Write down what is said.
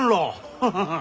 ハハハッ！